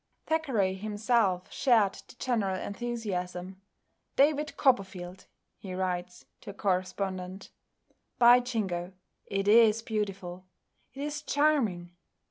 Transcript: Thackeray himself shared the general enthusiasm. "David Copperfield!" he writes to a correspondent, "By Jingo! It is beautiful! It is charming!